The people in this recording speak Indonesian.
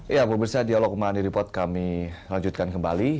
ya pemirsa dialog mandiri report kami lanjutkan kembali